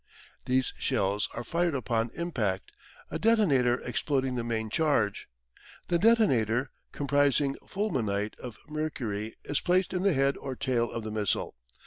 These shells are fired upon impact, a detonator exploding the main charge. The detonator, comprising fulminate of mercury, is placed in the head or tail of the missile.